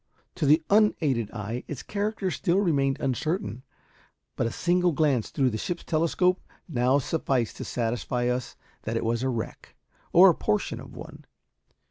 To the unaided eye its character still remained uncertain, but a single glance through the ship's telescope now sufficed to satisfy us that it was a wreck, or a portion of one.